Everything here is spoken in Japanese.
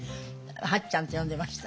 八ちゃんって呼んでました。